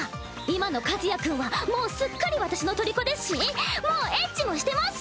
今の和也君はもうすっかり私の虜ですしもうエッチもしてますし。